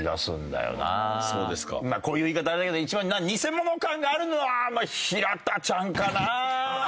こういう言い方あれだけど一番ニセモノ感があるのは平田ちゃんかな？